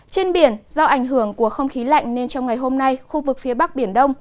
trên biển do ảnh hưởng của không khí lạnh nên trong ngày hôm nay khu vực phía bắc biển đông